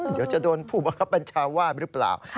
เดี๋ยวจะโดนผู้บังคับบัญชาว่าหรือเปล่า